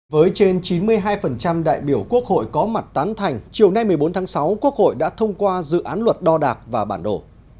với trên chín mươi hai đại biểu quốc hội có mặt tán thành chiều nay một mươi bốn tháng sáu quốc hội đã thông qua dự án luật đo đạc và bản đồ